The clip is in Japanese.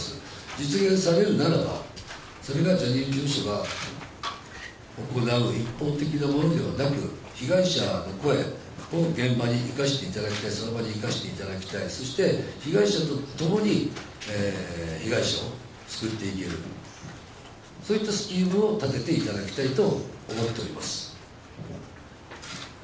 実現されるならば、それがジャニーズ事務所が行う一方的なものではなく、被害者の声を現場に生かしていただきたい、その場に生かしていただきたい、そして、被害者と共に被害者を救っていける、そういったスキームを立てていただきたいと思っております。